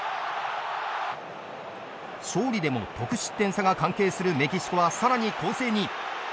勝利でも得失点差が関係するメキシコはさらに攻勢に。